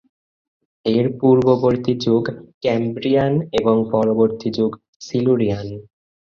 এর পূর্ববর্তী যুগ ক্যাম্ব্রিয়ান এবং পরবর্তী যুগ সিলুরিয়ান।